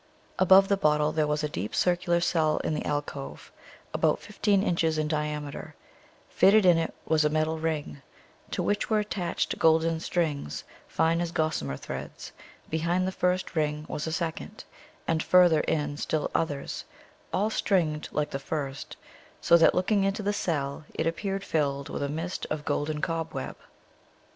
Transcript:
Above the bottle there was a deep circular cell in the alcove, about fifteen inches in diameter; fitted in it was a metal ring, to which were attached golden strings, fine as gossamer threads: behind the first ring was a second, and further in still others, all stringed like the first, so that looking into the cell it appeared filled with a mist of golden cobweb.